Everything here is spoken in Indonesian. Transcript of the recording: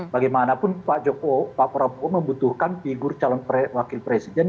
bagaimanapun pak prabowo membutuhkan figur calon wakil presiden